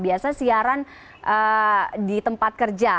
biasa siaran di tempat kerja